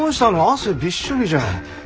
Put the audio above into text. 汗びっしょりじゃん。